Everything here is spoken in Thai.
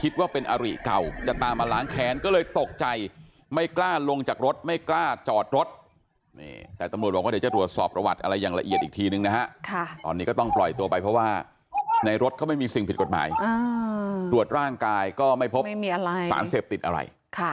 แต่ตำรวจบอกว่าเดี๋ยวจะตรวจสอบประวัติอะไรอย่างละเอียดอีกทีนึงนะครับตอนนี้ก็ต้องปล่อยตัวไปเพราะว่าในรถก็ไม่มีสิ่งผิดกฎหมายตรวจร่างกายก็ไม่พบสารเสพติดอะไร